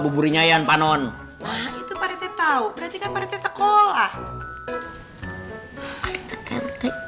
buburinyayan panon itu parete tahu berarti kan parete sekolah